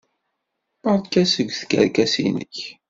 Beṛka seg tkerkas-nnek!